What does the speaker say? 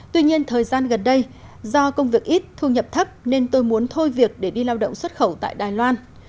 tuy nhiên thời gian gần đây do công việc ít thu nhập thấp nên tôi muốn thôi việc để đi lao động xuất khẩu tại đài loan